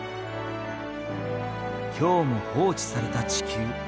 今日も放置された地球。